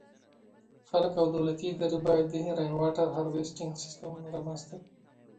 خلک او دولتي ادارې باید د “Rainwater Harvesting” سیسټمونه رامنځته کړي.